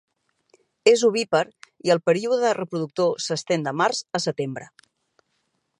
És ovípar i el període reproductor s'estén de març a setembre.